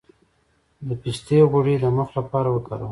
د پسته غوړي د مخ لپاره وکاروئ